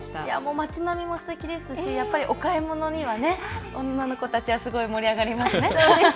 町並みもすてきですしやっぱり、お買い物には女の子たちはすごい盛り上がりますね。